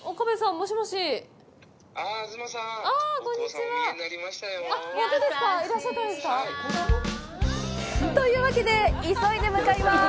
はい。というわけで、急いで向かいます！